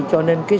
cho nên sự e về